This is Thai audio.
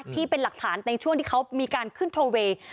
ที่เป็นหลักฐานในช่วงที่เขามีการขึ้นโทเวย์